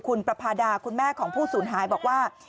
คุณประพาดาคุณแม่ของผู้สูญหายบอกว่า